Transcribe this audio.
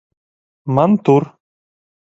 Man tur